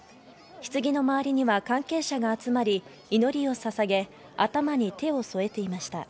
棺の周りには関係者が集まり、祈りをささげ、頭に手を添えていました。